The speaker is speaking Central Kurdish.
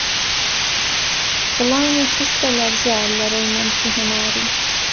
دڵانی خستە لەرزە، لەرەی مەمکی هەناری